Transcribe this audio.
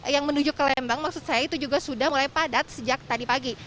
yang menuju ke lembang maksud saya itu juga sudah mulai padat sejak tadi pagi